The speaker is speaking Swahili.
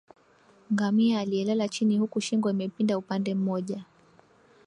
Ngamia aliyelala chini huku shingo imepinda upande mmoja